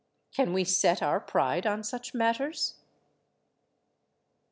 Can we set our pride on such matters?